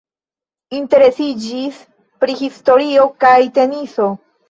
Interesiĝis pri historio kaj teniso.